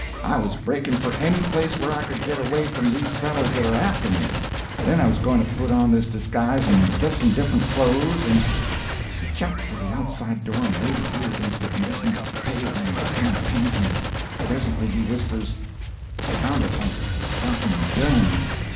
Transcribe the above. I was breaking for any place where I could get away from these fellows that are after me; then I was going to put on this disguise and get some different clothes, and—" He jumped for the outside door and laid his ear against it and listened, pale and kind of panting. Presently he whispers: "Sounded like cocking a gun!